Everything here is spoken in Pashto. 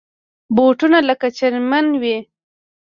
بوټونه کله چرمین وي.